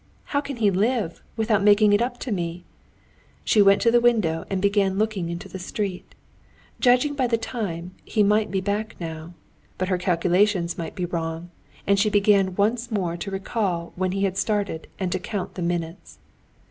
How can he live, without making it up with me?" She went to the window and began looking into the street. Judging by the time, he might be back now. But her calculations might be wrong, and she began once more to recall when he had started and to count the minutes.